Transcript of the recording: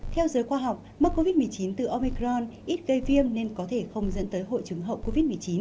theo giới khoa học mắc covid một mươi chín từ omicron ít gây viêm nên có thể không dẫn tới hội chứng hậu covid một mươi chín